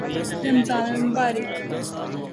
رمضان المبارک